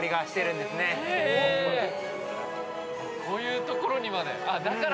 こういうところにまで。